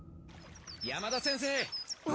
山田先生。